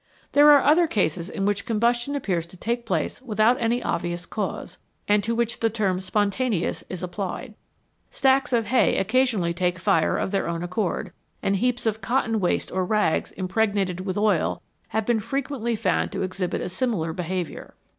There are other cases in which combustion appears to take place without any obvious cause, and to which the term "spontaneous" is applied. Stacks of hay occasionally take fire of their own accord, and heaps of cotton waste or rags impregnated with oil have been frequently found to exhibit a similar behaviour.